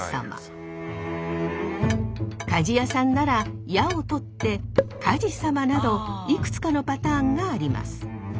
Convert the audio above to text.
鍛冶屋さんなら「屋」を取って鍛冶サマなどいくつかのパターンがあります。